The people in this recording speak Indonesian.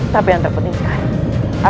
tapi yang terpenting sekarang